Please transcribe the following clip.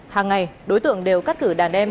hàng ngày đối tượng đều cắt cử đàn đem